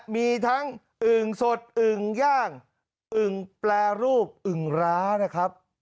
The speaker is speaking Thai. มีทั้งอึ่งสดอึ่งย่างอึ่งแปรรูปอึ่งร้านะครับ